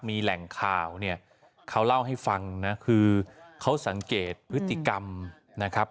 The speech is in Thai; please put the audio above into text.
มีแหล่งข่าวเนี่ยเขาเล่าให้ฟังนะคือเขาสังเกตพฤติกรรมนะครับ